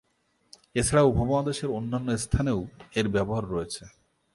এছাড়া উপমহাদেশের অন্যান্য স্থানেও এর ব্যবহার রয়েছে।